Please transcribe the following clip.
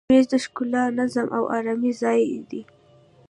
مېز د ښکلا، نظم او آرامي ځای دی.